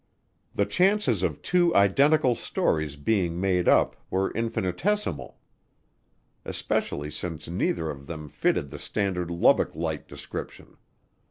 The chances of two identical stories being made up were infinitesimal, especially since neither of them fitted the standard Lubbock Light description.